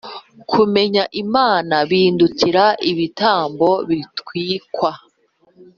kumenya Imana bindutira ibitambo bitwikwa.